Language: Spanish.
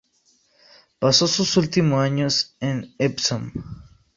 Pasó sus últimos años en Epsom.